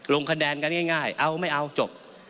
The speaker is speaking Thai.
ลงคะแนนกันง่ายเอาไม่เอาจบ